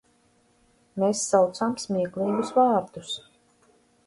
Mēs saucām smieklīgus vārdus.